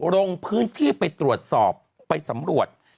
ลงพื้นที่ไปตรวจสอบไปสำรวจ